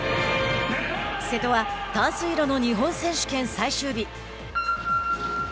瀬戸は短水路の日本選手権最終日。